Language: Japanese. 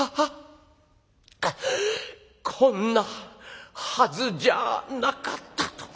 『ああこんなはずじゃあなかった』と。